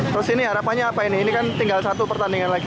terus ini harapannya apa ini ini kan tinggal satu pertandingan lagi